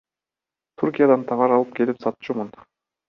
Түркиядан товар алып келип сатчумун.